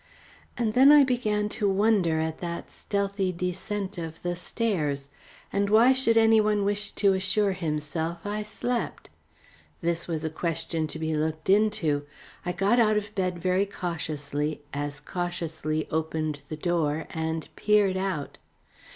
And then I began to wonder at that stealthy descent of the stairs. And why should any one wish to assure himself I slept? This was a question to be looked into. I got out of bed very cautiously, as cautiously opened the door and peered out.